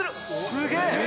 すげえ！」